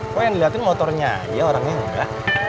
kok yang diliatin motornya aja orangnya